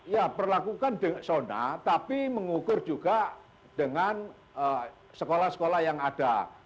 ya perlakukan sona tapi mengukur juga dengan sekolah sekolah yang ada